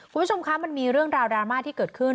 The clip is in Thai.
คุณผู้ชมคะมันมีเรื่องราวดราม่าที่เกิดขึ้น